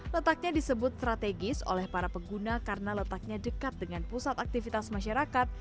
letaknya disebut strategis oleh para pengguna karena letaknya dekat dengan pusat aktivitas masyarakat